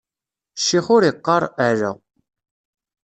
Ccix ur iqqaṛ: ala.